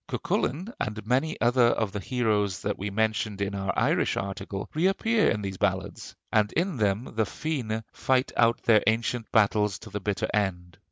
Cuculain and many other of the heroes that we mentioned in our Irish article reappear in these ballads; and in them the Féinne fight out their ancient battles to the bitter end.